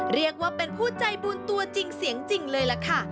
เรียกว่าเป็นผู้ใจบุญตัวจริงเสียงจริงเลยล่ะค่ะ